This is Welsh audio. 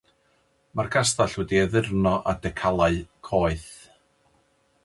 Mae'r castell wedi ei addurno â decalau coeth.